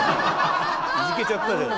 いじけちゃったじゃない。